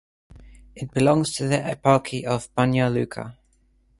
It belongs to the Eparchy of Banja Luka.